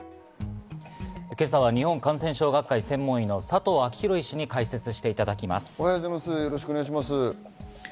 今朝は日本感染症学会専門医の佐藤昭裕医師に解説していただきます。